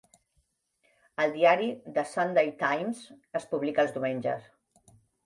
El diari "The Sunday Times" es publica els diumenges.